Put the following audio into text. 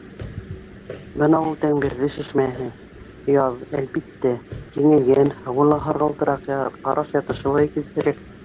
Бына ул Тәңребирҙе шишмәһе, яҙ, әлбиттә, киңәйгән, һыуы ла һарғылтыраҡ, ҡараш-ятышы ла икенсерәк.